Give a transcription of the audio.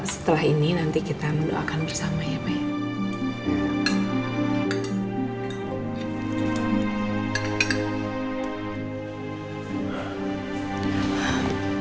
setelah ini nanti kita mendoakan bersama ya pak ya